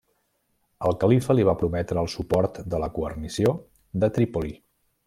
El califa li va prometre el suport de la guarnició de Trípoli.